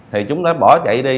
thì chúng đã bỏ chạy đi